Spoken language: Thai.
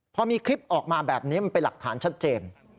พอมีคลิปออกมาแบบนี้มันเป็นหลักฐานชัดเจน